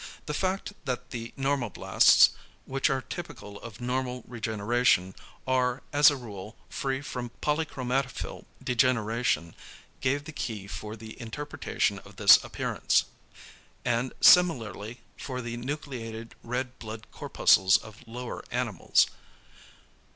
The fact that the normoblasts, which are typical of normal regeneration, are as a rule free from polychromatophil degeneration, gave the key for the interpretation of this appearance. And similarly for the nucleated red blood corpuscles of lower animals.